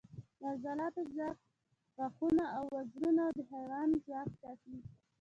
د عضلاتو ځواک، غاښونه او وزرونه د حیوان ځواک ټاکي.